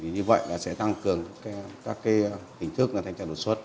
như vậy là sẽ tăng cường các hình thức thanh tra đột xuất